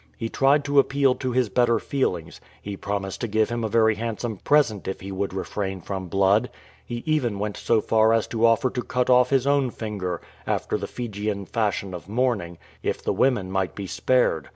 He tried to appeal to his better feelings ; he promised to give him a very hand some present if he would refrain from blood; he even went so far as to offer to cut off his own finger, after the Fijian fashion of mourning, if the women might be spared.